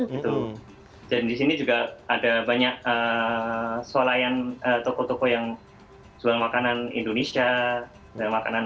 gitu dan disini juga ada banyak sholayan atau koto yang jual makanan indonesia dan makanan